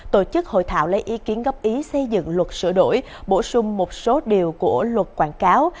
tổ chức hội thảo lấy ý kiến góp ý xây dựng luật sửa đổi bổ sung một số điều của luật quảng cáo